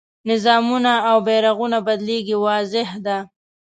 نظامونه او بیرغونه بدلېږي واضح ده.